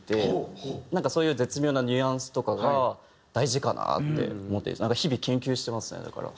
なんかそういう絶妙なニュアンスとかが大事かなって思って日々研究してますねだから。